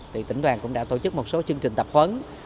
thì tỉnh đoàn cũng đã tổ chức một số chương trình tập huấn